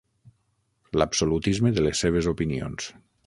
L'absolutisme de les seves opinions.